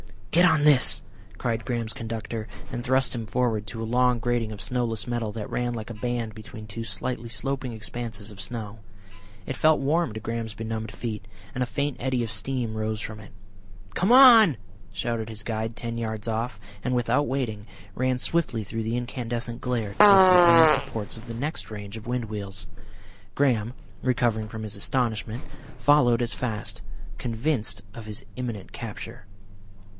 "Get on this," cried Graham's conductor, and thrust him forward to a long grating of snowless metal that ran like a band between two slightly sloping expanses of snow. It felt warm to Graham's benumbed feet, and a faint eddy of steam rose from it. "Come on!" shouted his guide ten yards off, and, without waiting, ran swiftly through the incandescent glare towards the iron supports of the next range of wind wheels. Graham, recovering from his astonishment, followed as fast, convinced of his imminent capture....